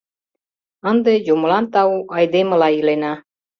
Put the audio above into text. Ынде, юмылан тау, айдемыла илена.